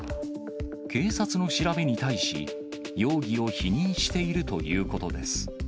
警察の調べに対し、容疑を否認しているということです。